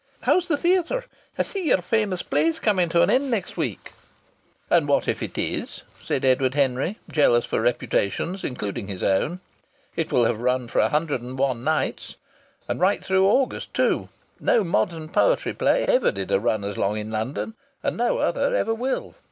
How's the theatre? I see yer famous play's coming to an end next week." "And what if it is?" said Edward Henry, jealous for reputations, including his own. "It will have run for a hundred and one nights. And right through August too! No modern poetry play ever did run as long in London, and no other ever will.